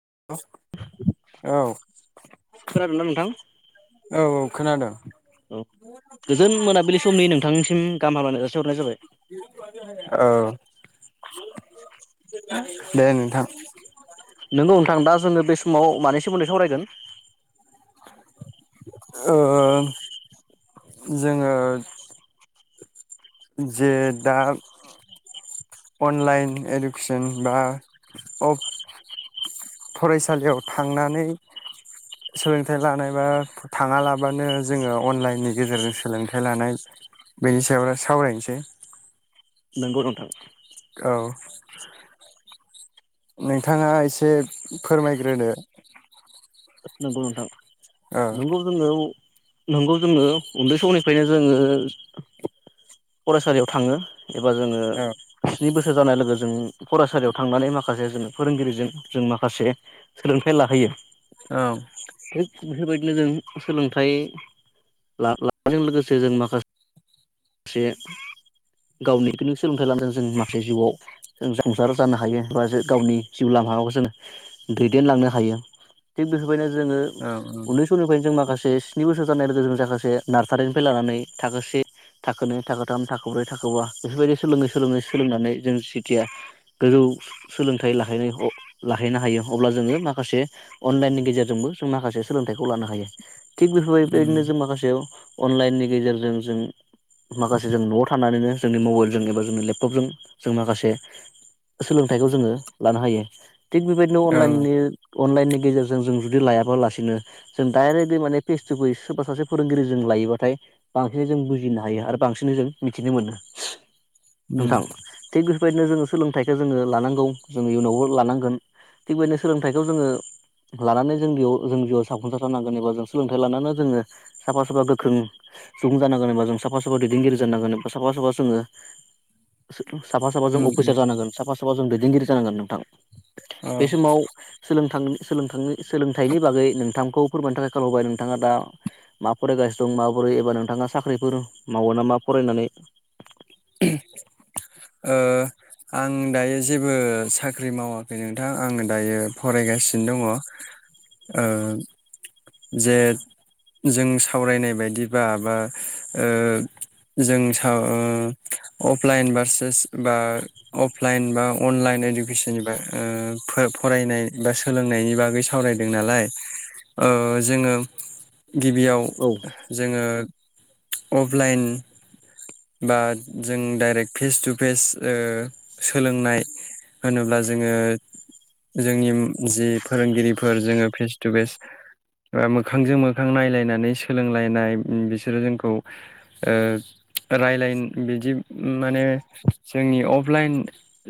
औ औ खोनादोंना नोंथां औ खोनादों औ गोजोन मोनाबिलि समनि नोंथांसिम गाहाम हामलायनाय जासिहरनाय जाबाय औ दे नोंथां नोंगौ नोंथां दा जोङो बे समाव मानि सोमोन्दै सावरायगोन ओ जोङो जे दा अनलाइन इडुकेसन बा अफ फरायसालियाव थांनानै सोलोंथाइ लानाय बा थाङालाबानो जोङो अनलाइननि गेजेरजों सोलोंथाइ लानाय बेनि सायावनो सावरायनोसै नंगौ नोंथां औ नोंथाङा एसे फोरमायग्रोदो नंगौ नोंथां औ नोंगौ जोङो नोंगौ जोङो उन्दै समनिफ्रायनो जोङो फरायसालियाव थाङो एबा जोङो औ स्नि बोसोर जानाय लोगो जों फरायसालियाव थांनानै माखासे जों फोरोंगिरिजों जों माखासे सोलोंथाइ लाहैयो औ थिग बेफोरबायदिनो जों सोलोंथाइ ला-ला लानायजों लोगोसे जों माखासे जे गावनि सोलोंथाइ लानो थाखाय जों माखासे जिउआव जों जाफुसार जानो हायो बा जो गावनि जिउ लामाखौ जों दैदेनलांनो हायो थिग बेफोर नो जोङो औ उन्दै समनिफ्राय जों माखासे से स्नि बोसोर जानाय लोगो जों खासे नार्सारिनिफ्राय लानानै थाखोसे थाखोनै थाखथाम थाख्रै थाखा बेफोरबायदि सोलोङै सोलोङै सोलोंनानै जों जिथिया गोजौ सोलोंथाइ लाै लाहैनो हायो अब्ला जोङो माखासे अनलाइननि गेजेरजोंबो जों माखासे सोलोंथाइखौ लानो हायो थिग बेफोरबायबायदिनो जों माखासे अनलाइननि गेजेरजों जों माखासे जों न'आव थानानैनो जोंनि मबाइलजों एबा जोंनि लेपटपजों जों माखासे सोलोंथाइखौ जोङो लानो हायो। थिग बेबायदिनो अनलाइन अनलाइननि गेजेरजों जों जुदि लायाबालासिनो जों डायरेक्टलि माने फेस तु फेस सोरबा सासे फोरोंगिरि जों लायोबाथाय बांसिन जों बुजि नो हायो आरो बांसिन जों मिथिनो मोनो नोंथां थिग बि फोरबायदिनो जोङो सोलोंथाइखौ जोङो लानांगौ जोङो इयुनावबो लानांगोन थिग बेबायदिनो सोलोंथाइखौ जोङो लानानै जोंयाव जोंजिउयाव जाफुंसार जानांगोन एबा जों सोलोंथाइ लानानै जोङो साफा साफा गोख्रों सुबुं जानांगोन एबा जों साफा साफा दैदेनगिरि जानांगोन बा साफा साफाजोङो सा साफा जों औ अफिसार जानांगोन साफा साफा जों दैदेनगिरि जानांगोन नोंथां औ बे औ समाव सोलोंथां सोलोंथाइनि बागै नोंथांखौ फोरमायनो थाखाय खाल हरबाय नोंथाङा दा मा फरायगासिनो दं माबोरै एबा नोंथाङा साख्रिफोर मावो नामा फरायनानै ओ आं दायो जेबो साख्रि मावाखै नोंथां आङो दायो फरायगासिनो दङ ओ जे जों सावरायनाय बायदिबा बा ओ जों अफलाइन बारसेस बा अफलाइन बा अनलाइन इडुकेसननि बाग फरायनाय बा सोलोंनायनि बागै सावरायदों नालाय ओ जोङो गिबियाव औ जोङो अफलइन बा जों डाइरेक्ट फेस टु फेस ओ सोलोंनाय होनोब्ला जोङो जोंनि जि फोरोंगिरिफोर जोङो फेस टु फेस बा मोखांजों मोखां नायलायनानै सोलोंलायनाय बिसोरो जोंखौ ओ रायलाय बिदि माने जोंनि अफलाइन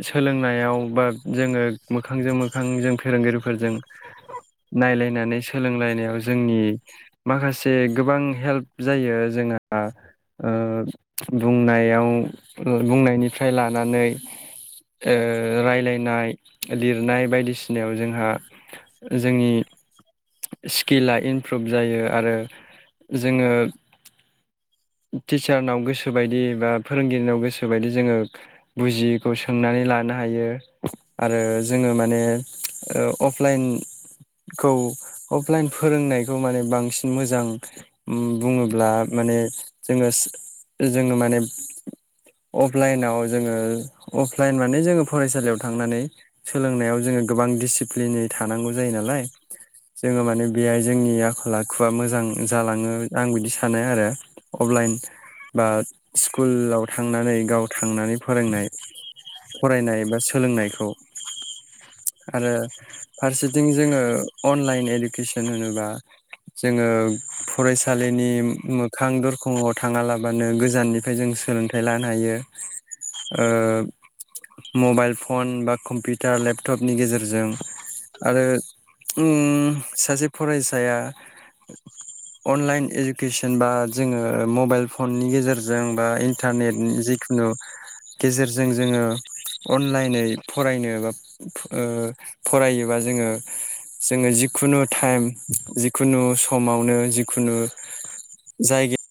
सोलोंनायाव बा जोङो मोखांजों मोखां जों फोरोंगिरिफोरजों नायलायनानै सोलोंलायनायाव जोंनि माखासे गोबां हेल्प जायो जोंहा बुंनायाव बुंनायनिफ्राय लानानै ओ रायलायनाय लिरनाय बायदिसिनायाव जोंहा जोंनि स्किला इमप्रुभ जायो आरो जोङो टिचारनाव गोसोबायदि बा फोरोंगिरिनाव गोसोबायदि जोङो बुजियैखौ सोंनानै लानो हायो आरो जोङो माने अफलाइनखौ अफलाइन फोरोंनायखौ माने बांसिन मोजां बुङोब्ला माने जोङो जोङो माने अफलाइनाव जोङो अफलाइन माने जोङो फरायसालियाव थांनानै सोलोंनायाव जोङो गोबां दिडसिप्लिन थानांगौ जायो नालाय जोङो माने बेहाय जोंनि आखल आखुआ मोजां जालाङो ।आं बिदि सानो आरो अफलाइन बा स्कुलाव थांनानै गाव थांनानै फोरोंनाय फरायनाय बा सोलोंनायखौ आरो फारसेथिं जोङो अनलाइन इडुकेसन होनोबा जोङो फरायसालिनि मोखां दरखंआव थाङालाबानो गोजाननिफ्राय जों सोलोंथाइ लानो हायो मबाइल फन बा कम्पिउटार लेपटपनि गेजेरजों आरो सासे फरायसाया अनलाइन इडुकेसन बा जोङो मबाइल फननि गेजेरजों बा इन्टारनेट जिखुनु गेजेरजों जोङो अनलाइनै फरायनो बा ओ फरायोबा जोङो जोङो जि खुनु टाइम जिखुनु समावनो जिखुनु जायगायाव